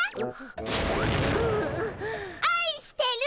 あいしてる！